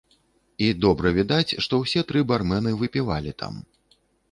І добра відаць, што ўсе тры бармэны выпівалі там.